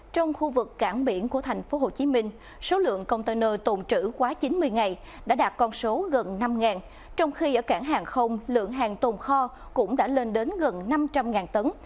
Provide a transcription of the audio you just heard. trong khu vực cảng biển của tp hcm số lượng container tồn trữ quá chín mươi ngày đã đạt con số gần năm trong khi ở cảng hàng không lượng hàng tồn kho cũng đã lên đến gần năm trăm linh tấn